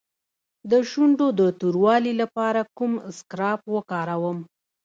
د شونډو د توروالي لپاره کوم اسکراب وکاروم؟